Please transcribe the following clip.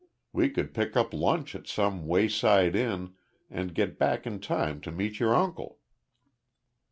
We could pick up lunch at some wayside inn, and get back in time to meet your uncle."